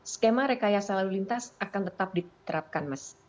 skema rekayasa lalu lintas akan tetap diterapkan mas